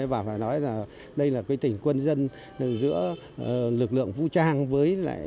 và phải nói là đây là tình quân dân giữa lực lượng vũ trang với nhân dân địa phương